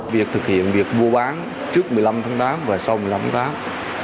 việc thực hiện việc mua bán trước một mươi năm tháng tám và sau một mươi năm tháng